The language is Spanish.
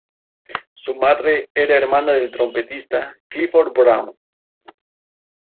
Su madre era hermana del trompetista Clifford Brown.